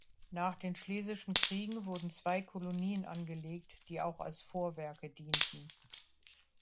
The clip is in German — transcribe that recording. Nach den Schlesischen Kriegen wurden zwei Kolonien angelegt, die auch als Vorwerke dienten.